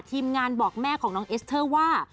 ทีมงานบอกแม่ของน้องเอสเตอร์ว่า